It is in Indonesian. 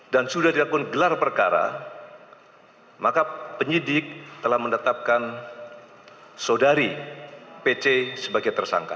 dan sudah dilakukan gelar perkara maka penyidik telah mendatapkan sodari pc sebagai tersangka